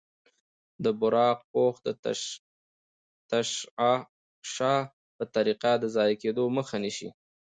د براق پوښ تشعشع په طریقه د ضایع کیدو مخه نیسي.